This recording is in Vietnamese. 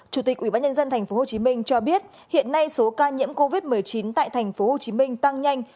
chủ tịch ubnd tp hcm cho biết hiện nay số ca nhiễm covid một mươi chín tại tp hcm tăng nhanh